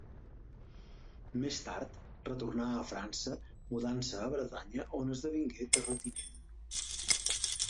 Més tard retornà a França mudant-se a Bretanya on esdevingué terratinent.